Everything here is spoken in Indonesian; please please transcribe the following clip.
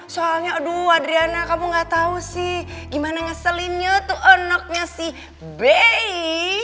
soalnya aduh adriana kamu gak tau sih gimana ngeselinnya tuh enaknya si bi